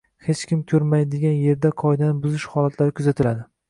hech kim “ko‘rmaydigan” yerda qoidani buzish holatlari kuzatiladi.